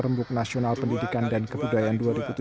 rembuk nasional pendidikan dan kebudayaan dua ribu tujuh belas